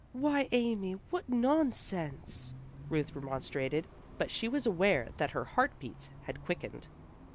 "Why, Amy, what nonsense!" Ruth remonstrated, but she was aware that her heartbeats had quickened.